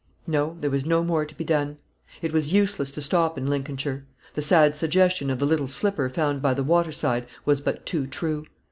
No; there was no more to be done. It was useless to stop in Lincolnshire. The sad suggestion of the little slipper found by the water side was but too true.